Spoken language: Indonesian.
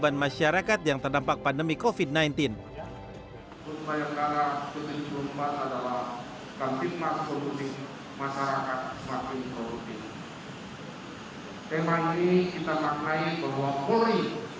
untuk masyarakat terlebih dalam masa pandemi corona ini